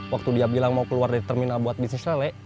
waktu dia bilang mau keluar dari terminal buat bisnis sale